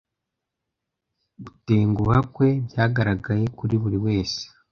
Gutenguha kwe byagaragaye kuri buri wese.